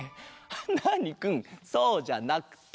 ナーニくんそうじゃなくて。